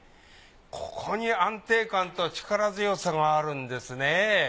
ここに安定感と力強さがあるんですね。